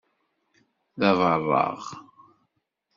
D abaṛeɣ.